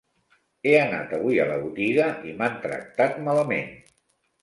He anat avui a la botiga i m'han tractat malament.